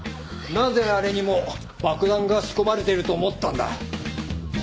なぜあれにも爆弾が仕込まれていると思ったんだ？